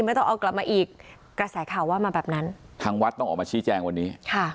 ไม่ต้องเอากลับมาอีกกระแสข่าวว่ามาแบบนั้นทางวัดต้องออกมาชี้แจงวันนี้ค่ะ